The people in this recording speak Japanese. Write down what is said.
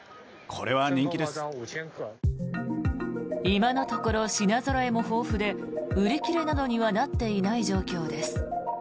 今のところ品ぞろえも豊富で売り切れなどにはなっていない状況です。